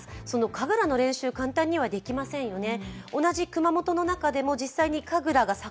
神楽の練習、簡単にはできませんよね。